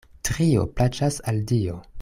Trio plaĉas al Dio.